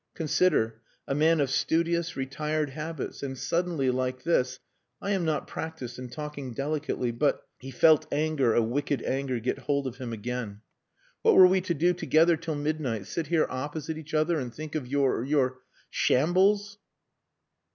Consider a man of studious, retired habits and suddenly like this.... I am not practised in talking delicately. But..." He felt anger, a wicked anger, get hold of him again. "What were we to do together till midnight? Sit here opposite each other and think of your your shambles?"